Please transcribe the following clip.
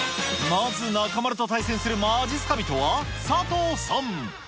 まず、中丸と対戦するまじっすか人は、佐藤さん。